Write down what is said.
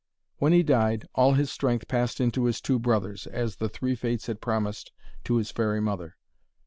When he died, all his strength passed into his two brothers, as the Three Fates had promised to his fairy mother.